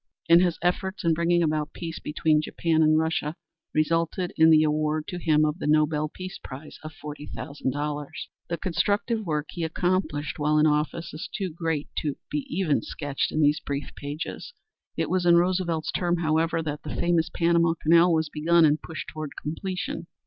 And his efforts in bringing about peace between Japan and Russia resulted in the award to him of the Nobel Peace Prize of $40,000. The constructive work he accomplished while in office is too great to be even sketched in these brief pages. It was in Roosevelt's term, however, that the famous Panama Canal was begun and pushed toward completion.